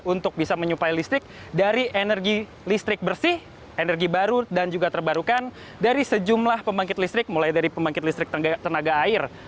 untuk bisa menyuplai listrik dari energi listrik bersih energi baru dan juga terbarukan dari sejumlah pembangkit listrik mulai dari pembangkit listrik tenaga air